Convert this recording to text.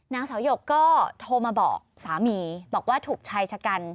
นางสาวหยกก็โทรมาบอกสามีบอกว่าถูกชายชะกัน